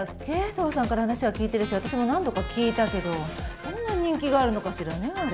父さんから話は聞いてるし私も何度か聴いたけどそんなに人気があるのかしらねあれ。